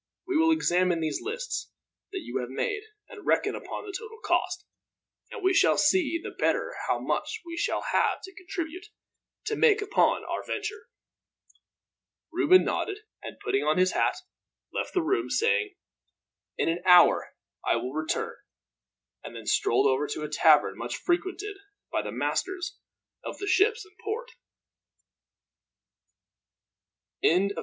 We will examine these lists that you have made, and reckon up the total cost; and we shall then see the better how much we shall each have to contribute, to make up our venture." Reuben nodded and, putting on his hat, left the room, saying, "In an hour I will return;" and then strolled over to a tavern much frequented by the masters of the ships in the port.